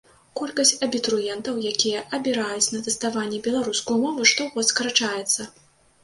Колькасць абітурыентаў, якія абіраюць на тэставанні беларускую мову, штогод скарачаецца.